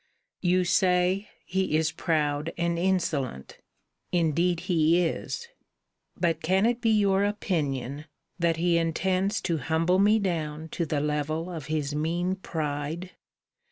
You say, he is proud and insolent indeed he is. But can it be your opinion, that he intends to humble me down to the level of his mean pride?